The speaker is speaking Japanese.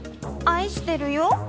愛してるよっ。